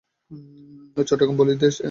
চট্টগ্রাম বলির দেশ।